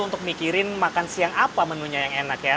untuk mikirin makan siang apa menunya yang enak ya